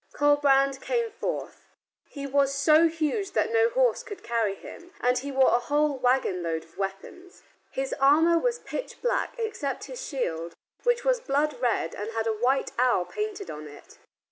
Colbrand came forth. He was so huge that no horse could carry him, and he wore a whole wagon load of weapons. His armor was pitch black except his shield, which was blood red and had a white owl painted upon it.